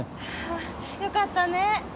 ああよかったね。